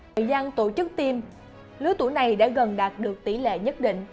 thời gian tổ chức tiêm lứa tuổi này đã gần đạt được tỷ lệ nhất định